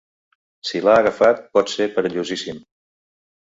Si l’ha agafat, pot ser perillosíssim.